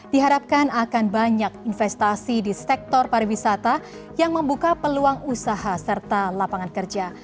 diharapkan akan banyak investasi di sektor pariwisata yang membuka peluang usaha serta lapangan kerja